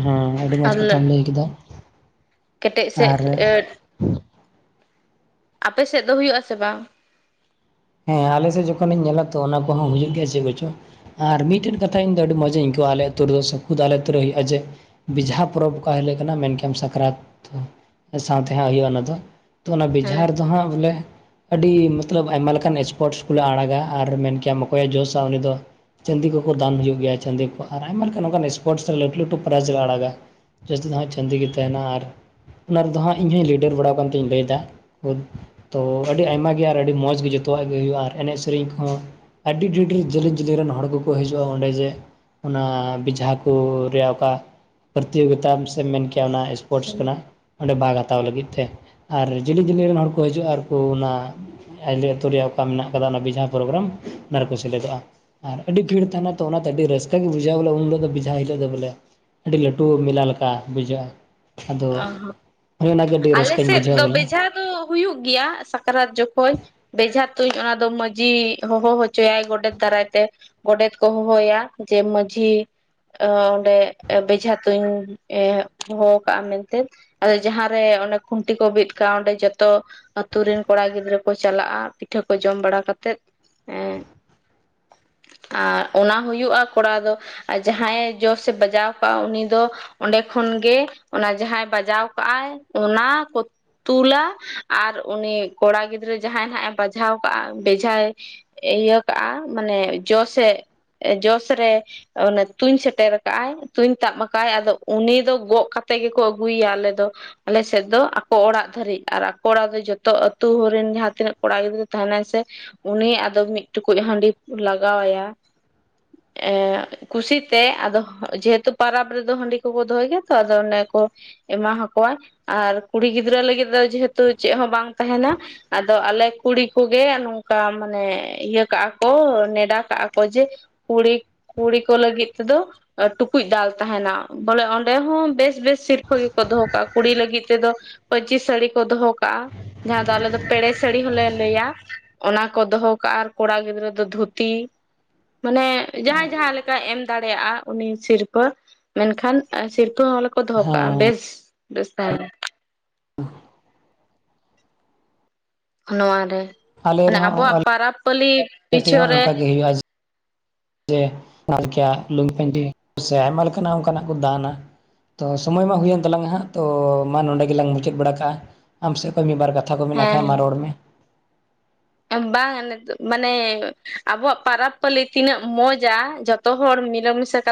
ᱦᱮᱸ ᱟᱹᱰᱤ
ᱟᱨ
ᱢᱚᱸᱡᱽ ᱠᱟᱛᱷᱟᱢ ᱞᱟᱹᱭ ᱠᱮᱫᱟ᱾
ᱠᱮᱴᱮᱡ ᱥᱮᱫ
ᱟᱨ
ᱤᱭᱟᱹ [UNINTELLIGIBLE] ᱟᱯᱮ ᱥᱮᱫ ᱫᱚ ᱦᱩᱭᱩᱜᱼᱟ ᱥᱮ ᱵᱟᱝ
ᱦᱮᱸ ᱟᱞᱮᱥᱮᱜ ᱡᱚᱠᱷᱚᱱᱤᱧ ᱧᱮᱞᱟ ᱛᱚ ᱚᱱᱟ ᱠᱚᱦᱚᱸ ᱦᱩᱭᱩᱜ ᱜᱮᱭᱟ ᱪᱮᱫ ᱠᱚᱪᱚ ᱟᱨ ᱢᱤᱫᱴᱮᱱ ᱠᱟᱛᱷᱟ ᱤᱧᱫᱚ ᱟᱹᱰᱤ ᱢᱚᱡᱤᱧ ᱟᱹᱭᱠᱟᱹᱣᱟ ᱟᱞᱮ ᱟᱹᱛᱩ ᱨᱮᱫᱚ ᱥᱩᱠᱩᱫᱟ ᱟᱞᱮ ᱟᱛᱳ ᱨᱮ ᱦᱩᱭᱩᱜᱼᱟ ᱡᱮ ᱾ ᱵᱤᱡᱷᱟ ᱯᱚᱨᱚᱵᱽ ᱚᱱᱟ ᱦᱤᱞᱚᱜ ᱠᱟᱱᱟ ᱢᱮᱱᱠᱷᱟᱱ ᱥᱟᱠᱨᱟᱛ ᱥᱟᱶᱛᱮ ᱦᱟᱸᱜ ᱦᱩᱭᱩᱜᱼᱟ ᱚᱱᱟ ᱫᱚ ᱾ ᱛᱚ ᱚᱱᱟ ᱵᱮᱡᱷᱟᱨ
ᱦᱮᱸ
ᱫᱚ ᱦᱟᱸᱜ ᱵᱚᱞᱮ ᱟᱹᱰᱤ ᱢᱚᱛᱞᱚᱵ ᱟᱭᱢᱟ ᱞᱮᱠᱟ ᱚᱱᱠᱟᱱ ᱥᱯᱳᱨᱴᱥ ᱠᱚᱞᱮ ᱟᱲᱟᱜᱟ ᱟᱨ ᱢᱮᱱ ᱠᱮᱭᱟᱢ ᱚᱠᱚᱭ ᱮ ᱡᱚᱥᱟ ᱩᱱᱤ ᱫᱚ ᱪᱟᱸᱫᱤ ᱠᱚᱠᱚ ᱫᱚᱟᱱ ᱦᱩᱭᱩᱜ ᱜᱮᱭᱟ ᱪᱟᱸᱫᱤ ᱠᱚᱠᱚ ᱫᱟᱱ ᱦᱩᱭᱩᱜ ᱜᱮᱭᱟ ᱟᱨ ᱟᱭᱢᱟ ᱞᱮᱠᱟᱱ ᱱᱚᱠᱟᱱ ᱥᱯᱳᱨᱴᱥ ᱥᱮ ᱞᱟᱹᱴᱩ ᱞᱟᱹᱴᱩ ᱯᱨᱟᱭᱤᱡ ᱞᱮ ᱟᱲᱟᱜᱟ ᱾ ᱡᱟᱹᱥᱛᱤ ᱫᱚ ᱦᱟᱸᱜ ᱪᱟᱹᱱᱫᱤ ᱜᱮ ᱛᱟᱦᱮᱱᱟ ᱟᱨ ᱚᱱᱟ ᱨᱮᱫᱚ ᱦᱟᱸᱜ ᱤᱧᱦᱚ ᱞᱤᱰᱟᱨ ᱵᱟᱲᱟ ᱠᱟᱱ ᱛᱤᱧ ᱞᱟᱹᱭᱫᱟ ᱾ ᱛᱚ ᱟᱹᱰᱤ ᱟᱭᱢᱟ ᱜᱮ ᱟᱨ ᱟᱹᱰᱤ ᱢᱚᱸᱡᱽ ᱜᱮ ᱡᱚ ᱛᱚᱣᱟᱜ ᱜᱮ ᱦᱩᱭᱩᱜᱼᱟ ᱟᱨ ᱮᱱᱮᱡ ᱥᱮᱨᱮᱧ ᱠᱚᱦᱚᱸ ᱟᱹᱰᱤ ᱰᱷᱮᱨ ᱰᱷᱮᱨ ᱡᱮᱞᱮᱧ ᱡᱮᱞᱮᱧ ᱨᱮᱱ ᱦᱚᱲ ᱠᱚᱠᱚ ᱦᱤᱡᱩᱜᱼᱟ ᱚᱸᱰᱮ ᱡᱮ ᱚᱱᱟ ᱡᱷᱟ ᱠᱚ ᱨᱮᱭᱟᱜ ᱚᱠᱟ ᱯᱨᱚᱛᱤᱭᱳᱜᱤᱛᱟ ᱥᱮᱢ ᱢᱮᱱ ᱠᱮᱭᱟ ᱚᱱᱟ ᱯᱚᱨᱚᱥ ᱠᱟᱱᱟ ᱚᱸᱰᱮ ᱵᱟᱜ ᱦᱟᱛᱟᱣ ᱞᱟᱹᱜᱤᱫ ᱛᱮ ᱟᱨ ᱡᱤᱞᱤ ᱡᱤᱞᱤ ᱨᱮᱱ ᱦᱚᱲ ᱠᱚ ᱦᱤᱡᱩᱜᱼᱟ ᱟᱨᱠᱚ ᱚᱱᱟ ᱟᱡᱮᱞ ᱛᱩᱨᱤ ᱚᱠᱟ ᱢᱮᱱᱟᱜ ᱟᱠᱟᱫᱟ ᱚᱱᱟ ᱵᱤᱡᱷᱟᱠᱚ ᱨᱮ ᱵᱨᱟᱢ ᱚᱱᱟ ᱨᱮᱠᱚ ᱥᱮᱞᱮᱫᱚᱜᱼᱟ ᱾ ᱟᱨ ᱟᱹᱰᱤ ᱵᱷᱤᱲ ᱛᱟᱦᱮᱱᱟ ᱛᱚ ᱚᱱᱟᱛᱮ ᱟᱹᱰᱤ ᱨᱟᱹᱥᱠᱟᱹ ᱜᱮ ᱵᱩᱡᱷᱟ ᱵᱚᱞ ᱩᱱᱫᱚ ᱵᱤᱡᱷᱟ ᱦᱤᱞᱳᱜ ᱫᱚ ᱵᱚᱞᱮ ᱟᱹᱰᱤ ᱞᱟᱹᱴᱩ ᱢᱮᱞᱟ ᱞᱮᱠᱟ ᱵᱩᱡᱷᱟᱹᱜᱼᱟ ᱾ ᱟᱫᱚ
ᱚ
ᱦᱳᱭ ᱚᱱᱟᱜᱮ ᱟᱹᱰᱤ
ᱟᱞᱮ
ᱨᱟᱹᱥᱠᱟᱹᱧ
ᱥᱮᱫ
ᱵᱩᱡᱷᱟᱹᱣᱟ
ᱫᱚ
ᱵᱚᱞᱮ ᱾
ᱵᱮᱡᱷᱟ ᱦᱩᱭᱩᱜ ᱜᱮᱭᱟ ᱥᱟᱠᱨᱟᱛ ᱡᱚᱠᱷᱚᱡ᱾ ᱵᱮᱡᱷᱟ ᱛᱩᱧ ᱚᱱᱟ ᱫᱚ ᱢᱟᱺᱡᱷᱤ ᱦᱚᱦᱚ ᱦᱚᱪᱚᱭᱟᱭ ᱜᱚᱰᱮᱛ ᱫᱟᱨᱟᱭ ᱛᱮ ᱾ ᱜᱚᱰᱮᱛ ᱠᱚ ᱦᱚᱦᱚᱭᱟ ᱡᱮ ᱢᱟᱺᱡᱷᱤ ᱾ ᱚᱸᱰᱮ ᱵᱮᱡᱷᱟ ᱛᱩᱧ ᱮ ᱦᱚᱦᱚ ᱠᱟᱜᱼᱟ ᱢᱮᱱᱛᱮ ᱾ ᱟᱫᱚ ᱡᱟᱦᱟᱸᱨᱮ ᱚᱱᱮ ᱠᱷᱩᱱᱴᱤ ᱠᱚ ᱵᱤᱫ ᱠᱟᱜᱼᱟ ᱚᱸᱰᱮ ᱡᱚᱛᱚ ᱟᱹᱛᱩ ᱨᱮᱱ ᱠᱚᱲᱟ ᱜᱤᱫᱽᱨᱟᱹ ᱠᱚ ᱪᱟᱞᱟᱜᱼᱟ ᱯᱤᱴᱷᱟᱹ ᱠᱚ ᱡᱚᱢ ᱵᱟᱲᱟ ᱠᱟᱛᱮᱜ ᱾ ᱟᱨ ᱚᱱᱟ ᱦᱩᱭᱩᱜᱼᱟ ᱠᱚᱲᱟ ᱫᱚ ᱟᱨ ᱡᱟᱦᱟᱸᱭᱮ ᱡᱚᱥᱮ ᱵᱟᱡᱟᱣ ᱠᱟᱜᱼᱟ ᱩᱱᱤ ᱫᱚ ᱚᱸᱰᱮ ᱠᱷᱚᱱᱜᱮ ᱚᱱᱟ ᱡᱟᱦᱟᱸᱭ ᱵᱟᱡᱟᱣ ᱠᱟᱜ ᱟᱭ ᱚᱱᱟ ᱛᱩᱞᱟ ᱟᱨ ᱩᱱᱤ ᱠᱚᱲᱟ ᱜᱤᱫᱽᱨᱟᱹ ᱡᱟᱦᱟᱸᱭ ᱦᱟᱜ ᱮ ᱵᱟᱡᱷᱟᱣ ᱠᱟᱜᱼᱟ ᱵᱮᱡᱟᱭ ᱤᱭᱟᱹ ᱠᱟᱜᱼᱟ ᱢᱟᱱᱮ ᱡᱚᱥᱮ ᱡᱚᱥᱨᱮ ᱚᱱᱮ ᱛᱩᱧ ᱥᱮᱴᱮᱨ ᱠᱟᱜ ᱟᱭ ᱛᱩᱧ ᱛᱟᱵ ᱠᱟᱜ ᱟᱭ ᱟᱫᱚ ᱩᱱᱤ ᱫᱚ ᱜᱚᱜ ᱠᱟᱛᱮᱜ ᱛᱮᱜᱮ ᱠᱚ ᱟᱹᱜᱩᱭᱟ ᱟᱞᱮ ᱫᱚ ᱾ ᱟᱞᱮ ᱥᱮᱫ ᱫᱚ ᱟᱠᱚ ᱚᱲᱟᱜ ᱫᱷᱟᱹᱨᱤᱡ ᱟᱨ ᱟᱠᱚ ᱚᱲᱟᱜ ᱫᱚ ᱡᱚᱛᱚ ᱟᱹᱛᱩ ᱦᱚᱲᱨᱮᱱ ᱡᱟᱦᱟᱸ ᱛᱤᱱᱟᱹᱜ ᱠᱚᱲᱟ ᱜᱤᱫᱽᱨᱟᱹ ᱛᱟᱦᱮᱱᱟᱭ ᱥᱮ ᱼᱼ ᱩᱱᱤ ᱟᱫᱚ ᱢᱤᱫ ᱴᱩᱠᱩᱡ ᱦᱟᱺᱰᱤ ᱞᱟᱜᱟᱣ ᱟᱭᱟ ᱮᱻ ᱠᱩᱥᱤᱛᱮ ᱟᱫᱚ ᱡᱮᱦᱮᱛᱩ ᱯᱟᱨᱟᱵᱽ ᱨᱮᱫᱚ ᱦᱟᱺᱰᱤ ᱠᱚᱠᱚ ᱫᱚᱦᱚᱭ ᱜᱮᱭᱟ ᱛᱚ ᱟᱫᱚ ᱚᱱᱮ ᱠᱚ ᱮᱢᱟ ᱟᱠᱚᱣᱟ ᱟᱨ ᱠᱩᱲᱤ ᱜᱤᱫᱽᱨᱟᱹ ᱞᱟᱹᱜᱤᱫ ᱫᱚ ᱡᱮᱦᱮᱛᱩ ᱪᱮᱜ ᱦᱚᱸ ᱵᱟᱝ ᱛᱟᱦᱮᱱᱟ ᱾ ᱟᱫᱚ ᱟᱞᱮ ᱠᱩᱲᱤ ᱠᱚᱜᱮ ᱱᱚᱝᱠᱟ ᱢᱟᱱᱮ ᱤᱭᱟᱹ ᱠᱟᱜᱼᱟ ᱠᱚ ᱱᱮᱰᱟ ᱠᱟᱜᱼᱟ ᱠᱚ ᱡᱮ ᱠᱤᱲᱤᱠ ᱠᱩᱲᱤ ᱠᱚ ᱞᱟᱹᱜᱤᱫ ᱛᱮᱫᱚ ᱴᱩᱠᱩᱡ ᱫᱟᱞ ᱛᱟᱦᱮᱱᱟ ᱵᱚᱞᱮ ᱚᱸᱰᱮ ᱦᱚᱸ ᱵᱮᱥ ᱵᱮᱥ ᱼᱼ ᱥᱤᱨᱯᱟᱹ ᱜᱮᱠᱚ ᱫᱚᱦᱚ ᱠᱟᱜᱼᱟ ᱠᱩᱲᱤ ᱞᱟᱹᱜᱤᱫ ᱛᱮᱫᱚ ᱯᱟᱹᱧᱪᱤ ᱥᱟᱹᱲᱤ ᱠᱚ ᱫᱚᱦᱚ ᱠᱟᱜᱼᱟ ᱾ ᱡᱟᱦᱟᱸ ᱫᱚ ᱟᱞᱮ ᱫᱚ ᱯᱮᱲᱮ ᱥᱟᱹᱲᱤ ᱦᱚᱸᱞᱮ ᱞᱟᱹᱭᱟ ᱾ ᱚᱱᱟ ᱠᱚ ᱫᱚᱦᱚ ᱠᱟᱜᱼᱟ ᱟᱨ ᱠᱚᱲᱟ ᱜᱤᱫᱽᱨᱟᱹ ᱫᱚ ᱫᱷᱩᱛᱤ ᱾ ᱢᱟᱱᱮ ᱡᱟᱦᱟᱸᱭ ᱡᱟᱦᱟᱸᱞᱮᱠᱟ ᱮᱢ ᱫᱟᱲᱮᱭᱟᱜᱼᱟ ᱩᱱᱤ ᱥᱤᱨᱯᱟᱹ ᱾ ᱢᱮᱱᱠᱷᱟᱱ ᱥᱤᱨᱯᱟᱹ ᱦᱚᱸ ᱟᱞᱮᱠᱚ ᱫᱚᱦᱚ ᱠᱟᱜᱼᱟ
ᱦᱮᱸ
ᱵᱮᱥ ᱵᱮᱥ ᱛᱟᱦᱮᱸᱱᱟ ᱾ ᱱᱚᱣᱟ ᱨᱮ ᱢᱟᱱᱮ ᱟᱵᱚᱣᱟᱜ ᱯᱟᱨᱟᱵᱽ ᱯᱟᱹᱞᱤ ᱼᱼ
ᱠᱟᱹᱴᱤᱡ ᱦᱚᱸ ᱚᱱᱠᱟ ᱜᱮ ᱦᱩᱭᱩᱜᱼᱟ ᱾ ᱡᱮ [INAUDIBLE] ᱞᱩᱝᱜᱤ ᱯᱮᱱᱴᱤ ᱥᱮ ᱟᱭᱢᱟ ᱞᱮᱠᱟᱱᱟᱜ ᱚᱱᱠᱟᱱᱟᱜ ᱠᱚ ᱫᱟᱱᱟ ᱾ ᱛᱚ ᱥᱚᱢᱚᱭ ᱢᱟ ᱦᱩᱭᱮᱱ ᱛᱟᱞᱟᱝᱟ ᱦᱟᱸᱜ ᱛᱚ ᱢᱟ ᱱᱚᱰᱮ ᱜᱮᱞᱟᱝ ᱢᱩᱪᱟᱹᱫ ᱵᱟᱲᱟ ᱠᱟᱜᱼᱟ ᱟᱢ ᱥᱮᱡ ᱠᱷᱚᱡ ᱢᱤᱫ ᱵᱟᱨ ᱠᱟᱛᱷᱟ ᱾ ᱠᱟᱛᱷᱟ ᱠᱚ ᱢᱮᱱᱟᱜ ᱠᱷᱟᱡ ᱢᱟ
ᱦᱮᱸ
ᱨᱚᱲ ᱢᱮ?
ᱵᱟᱝ ᱱᱤᱛᱚᱜ [UNINTELLIGIBLE] ᱢᱟᱱᱮ ᱟᱵᱚᱣᱟᱜ ᱯᱟᱨᱟᱵᱽ ᱯᱟᱹᱞᱤ ᱛᱤᱱᱟᱹᱜ ᱢᱚᱸᱡᱟ ᱡᱚᱛᱚ ᱦᱚᱲ ᱢᱤᱞᱟᱹ ᱢᱤᱥᱟ ᱠᱟᱛ